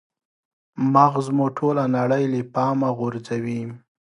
مغز مو ټوله نړۍ له پامه غورځوي.